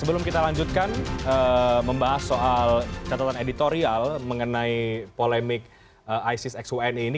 sebelum kita lanjutkan membahas soal catatan editorial mengenai polemik isis x y n i